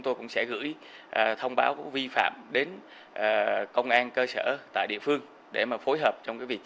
ngoại truyền trực tiếp theo hệ thống máy đ regardlesscience as a maximum quan forear